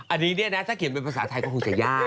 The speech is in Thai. อันนี้เนี่ยนะถ้าเขียนเป็นภาษาไทยก็คงจะยาก